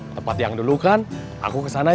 tempat yang dulu kan aku kesana